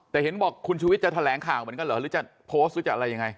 แต่เห็นบอกคุณชุวิตจะแถลงข่าวเหมือนกันเหรอหรือจะโพสต์หรือจะอะไรยังไง